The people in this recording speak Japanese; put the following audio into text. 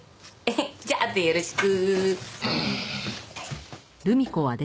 じゃああとよろしく。